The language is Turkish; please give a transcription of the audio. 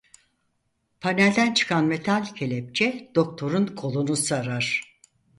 Panelden çıkan metal kelepçe Doktor'un kolunu sarar.